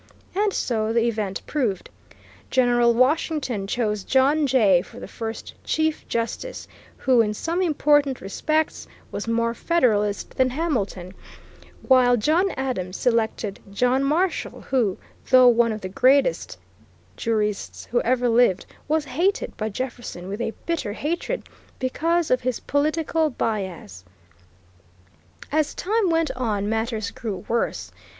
And so the event proved. General Washington chose John Jay for the first Chief Justice, who in some important respects was more Federalist than Hamilton, while John Adams selected John Marshall, who, though one of the greatest jurists who ever lived, was hated by Jefferson with a bitter hatred, because of his political bias. As time went on matters grew worse.